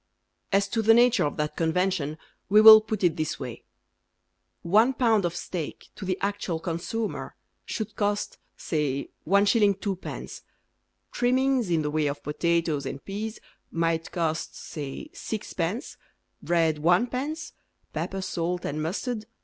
As to the nature of that convention We will put it this way: One pound of steak To the actual consumer Should cost, say, 1s. 2d. Trimmings In the way of potatoes and peas might cost, say, 6d., Bread, 1d., Pepper, salt, and mustard, 1d.